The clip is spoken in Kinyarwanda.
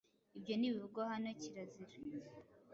ibyo ntibivugwa hano kirazirz